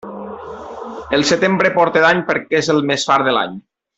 El setembre porta dany perquè és el més fart de l'any.